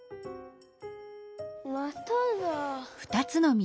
まただ。